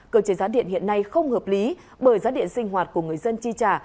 cơ chế giá điện hiện nay không hợp lý bởi giá điện sinh hoạt của người dân chi trả